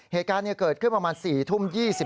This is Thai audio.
เหตุการณ์เกิดขึ้นประมาณ๔ทุ่ม๒๕